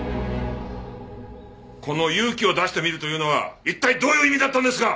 この「勇気を出してみる」というのは一体どういう意味だったんですか！